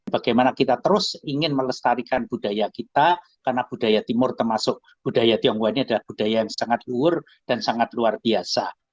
bagaimana kita terus ingin melestarikan budaya kita karena budaya timur termasuk budaya tionghoa ini adalah budaya yang sangat luhur dan sangat luar biasa